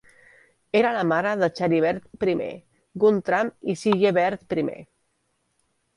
Era la mare de Charibert I, Guntram i Sigebert I.